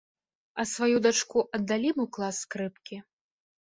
А сваю дачку аддалі б у клас скрыпкі?